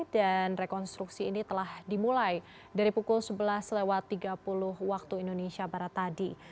dan rekonstruksi ini telah dimulai dari pukul sebelas lewat tiga puluh waktu indonesia barat tadi